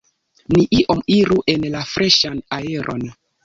Ni iom iru en la freŝan aeron.